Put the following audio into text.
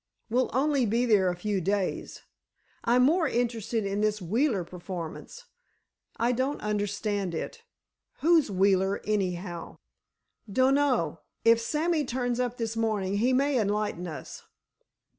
"We'll only be there a few days. I'm more interested in this Wheeler performance. I don't understand it. Who's Wheeler, anyhow?" "Dunno. If Sammy turns up this morning, he may enlighten us."